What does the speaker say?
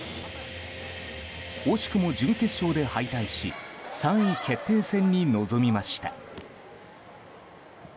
惜しくも準決勝で敗退し３位決定戦に臨みました。